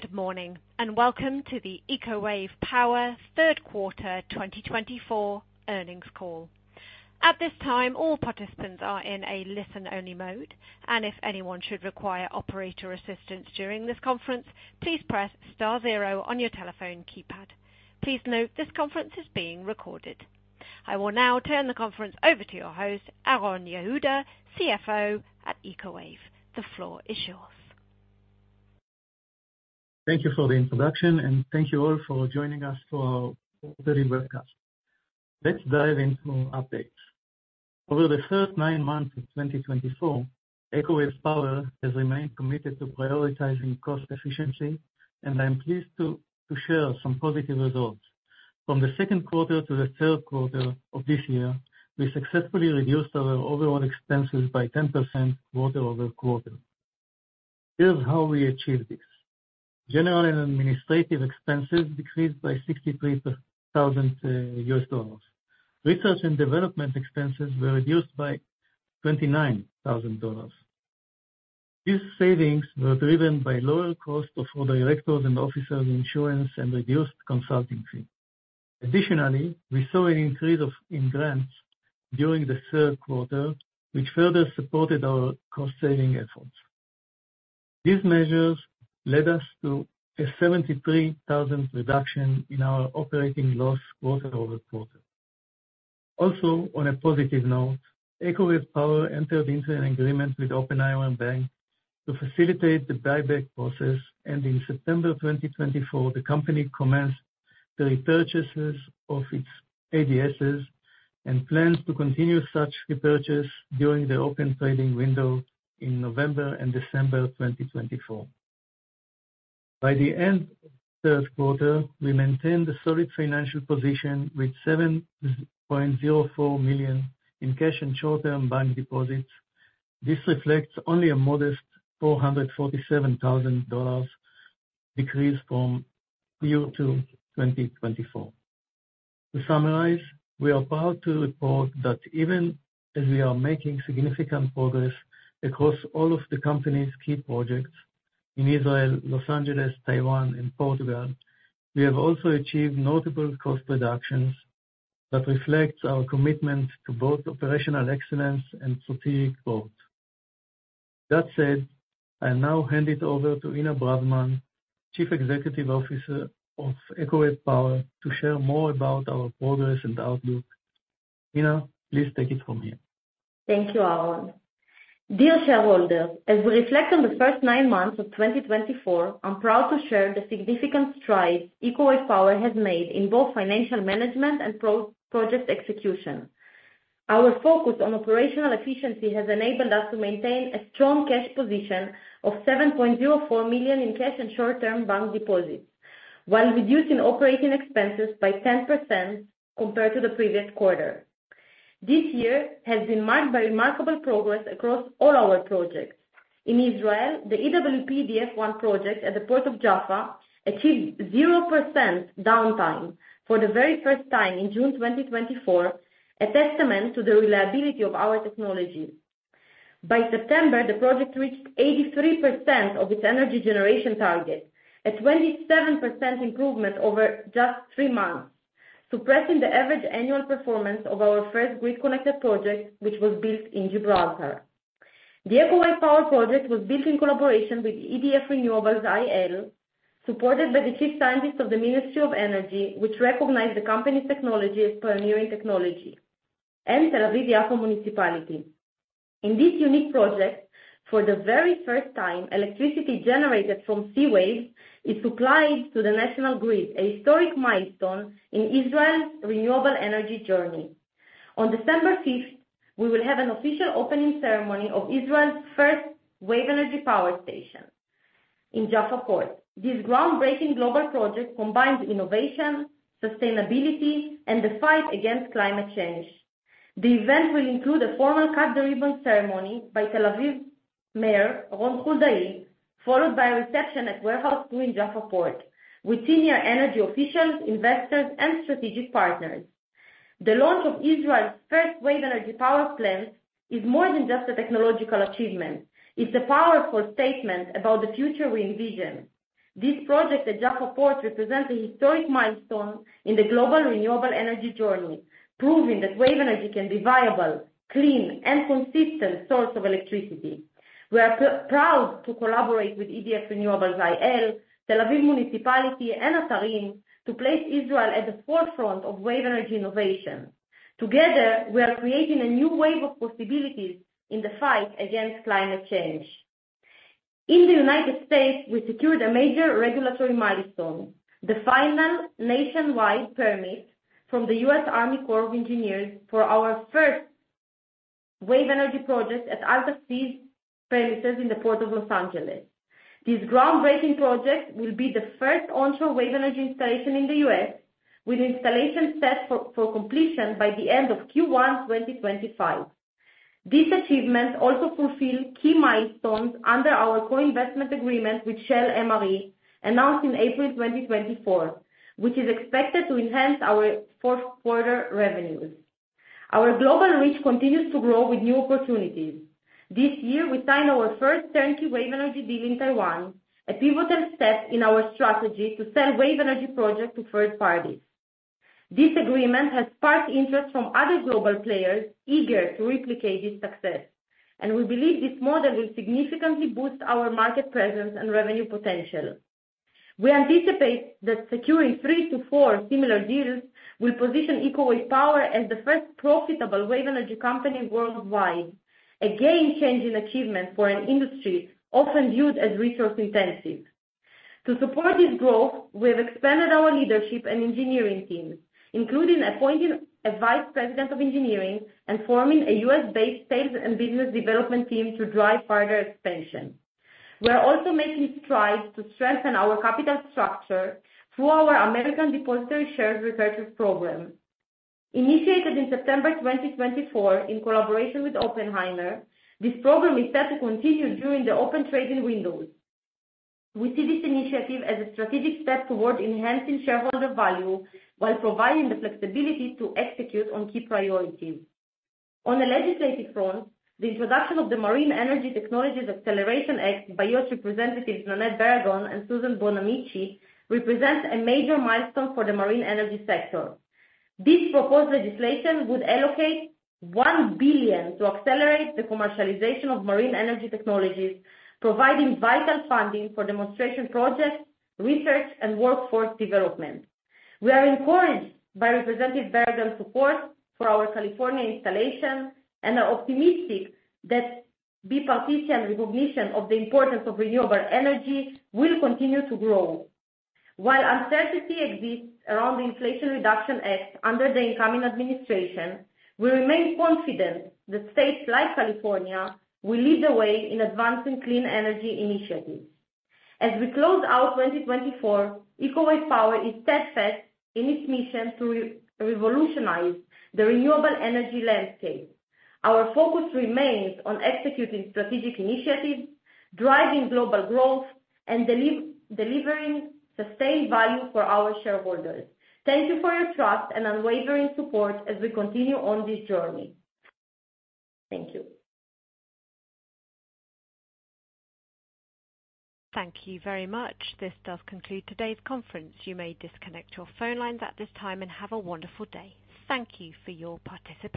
Good morning, and welcome to the Eco Wave Power Third Quarter 2024 Earnings Call. At this time, all participants are in a listen-only mode, and if anyone should require operator assistance during this conference, please press star zero on your telephone keypad. Please note this conference is being recorded. I will now turn the conference over to your host, Aharon Yehuda, CFO at Eco Wave Power. The floor is yours. Thank you for the introduction, and thank you all for joining us for our very welcome. Let's dive into updates. Over the first nine months of 2024, Eco Wave Power has remained committed to prioritizing cost efficiency, and I'm pleased to share some positive results. From the second quarter to the third quarter of this year, we successfully reduced our overall expenses by 10% quarter over quarter. Here's how we achieved this: general and administrative expenses decreased by $63,000. Research and development expenses were reduced by $29,000. These savings were driven by lower costs for directors and officers' insurance and reduced consulting fees. Additionally, we saw an increase in grants during the third quarter, which further supported our cost-saving efforts. These measures led us to a $73,000 reduction in our operating loss quarter over quarter. Also, on a positive note, Eco Wave Power entered into an agreement with Oppenheimer & Co Inc to facilitate the buyback process, and in September 2024, the company commenced the repurchases of its ADSs and plans to continue such repurchase during the open trading window in November and December 2024. By the end of the third quarter, we maintained a solid financial position with $7.04 million in cash and short-term bank deposits. This reflects only a modest $447,000 decrease from year-to-date 2024. To summarize, we are proud to report that even as we are making significant progress across all of the company's key projects in Israel, Los Angeles, Taiwan, and Portugal, we have also achieved notable cost reductions that reflect our commitment to both operational excellence and strategic growth. That said, I now hand it over to Inna Braverman, Chief Executive Officer of Eco Wave Power, to share more about our progress and outlook. Inna, please take it from here. Thank you, Aharon. Dear shareholders, as we reflect on the first nine months of 2024, I'm proud to share the significant strides Eco Wave Power has made in both financial management and project execution. Our focus on operational efficiency has enabled us to maintain a strong cash position of $7.04 million in cash and short-term bank deposits, while reducing operating expenses by 10% compared to the previous quarter. This year has been marked by remarkable progress across all our projects. In Israel, the EWP-EDF One project at the Port of Jaffa achieved 0% downtime for the very first time in June 2024, a testament to the reliability of our technology. By September, the project reached 83% of its energy generation target, a 27% improvement over just three months, suppressing the average annual performance of our first grid-connected project, which was built in Gibraltar. The Eco Wave Power project was built in collaboration with EDF Renewables IL, supported by the Chief Scientist of the Ministry of Energy, which recognized the company's technology as pioneering technology, and Tel Aviv-Yafo Municipality. In this unique project, for the very first time, electricity generated from sea waves is supplied to the national grid, a historic milestone in Israel's renewable energy journey. On December 5th, we will have an official opening ceremony of Israel's first wave energy power station in Jaffa Port. This groundbreaking global project combines innovation, sustainability, and the fight against climate change. The event will include a formal cut-through ceremony by Tel Aviv Mayor Ron Huldai, followed by a reception at Warehouse 2 in Jaffa Port, with senior energy officials, investors, and strategic partners. The launch of Israel's first wave energy power plant is more than just a technological achievement. It's a powerful statement about the future we envision. This project at Jaffa Port represents a historic milestone in the global renewable energy journey, proving that wave energy can be a viable, clean, and consistent source of electricity. We are proud to collaborate with EDF Renewables IL, Tel Aviv-Yafo Municipality, and Atarim to place Israel at the forefront of wave energy innovation. Together, we are creating a new wave of possibilities in the fight against climate change. In the United States, we secured a major regulatory milestone: the final nationwide permit from the US Army Corps of Engineers for our first wave energy project at AltaSea premises in the Port of Los Angeles. This groundbreaking project will be the first onshore wave energy installation in the U.S., with installation set for completion by the end of Q1 2025. This achievement also fulfilled key milestones under our co-investment agreement with Shell MRE, announced in April 2024, which is expected to enhance our fourth quarter revenues. Our global reach continues to grow with new opportunities. This year, we signed our first turnkey wave energy deal in Taiwan, a pivotal step in our strategy to sell wave energy projects to third parties. This agreement has sparked interest from other global players eager to replicate this success, and we believe this model will significantly boost our market presence and revenue potential. We anticipate that securing three to four similar deals will position Eco Wave Power as the first profitable wave energy company worldwide, a game-changing achievement for an industry often viewed as resource-intensive. To support this growth, we have expanded our leadership and engineering teams, including appointing a Vice President of Engineering and forming a U.S.-based sales and business development team to drive further expansion. We are also making strides to strengthen our capital structure through our American Depositary Shares repurchase program. Initiated in September 2024 in collaboration with Oppenheimer, this program is set to continue during the open trading windows. We see this initiative as a strategic step towards enhancing shareholder value while providing the flexibility to execute on key priorities. On the legislative front, the introduction of the Marine Energy Technologies Acceleration Act by U.S. Representatives Nanette Barragán and Suzanne Bonamici represents a major milestone for the marine energy sector. This proposed legislation would allocate $1 billion to accelerate the commercialization of marine energy technologies, providing vital funding for demonstration projects, research, and workforce development. We are encouraged by Representative Barragán's support for our California installation and are optimistic that bipartisan recognition of the importance of renewable energy will continue to grow. While uncertainty exists around the Inflation Reduction Act under the incoming administration, we remain confident that states like California will lead the way in advancing clean energy initiatives. As we close out 2024, Eco Wave Power is steadfast in its mission to revolutionize the renewable energy landscape. Our focus remains on executing strategic initiatives, driving global growth, and delivering sustained value for our shareholders. Thank you for your trust and unwavering support as we continue on this journey. Thank you. Thank you very much. This does conclude today's conference. You may disconnect your phone lines at this time and have a wonderful day. Thank you for your participation.